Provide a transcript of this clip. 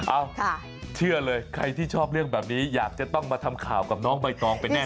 เอ้าเชื่อเลยใครที่ชอบเรื่องแบบนี้อยากจะต้องมาทำข่าวกับน้องใบตองไปแน่